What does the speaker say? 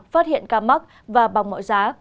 phát hiện ca mắc và bằng mọi giá